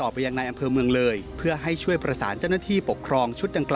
โดยกำนันปฏิเสธที่จะให้ข้อมูล